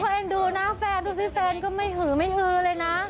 เอ็นดูนะแฟนดูสิแฟนก็ไม่หือไม่ฮือเลยนะ